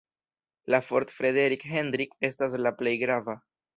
La "Fort Frederik Hendrik" estas la plej grava.